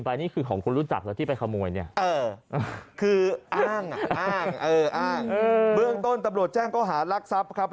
พื้นต้นตะบรวดแจ้งก็หาลักทรัพย์ครับ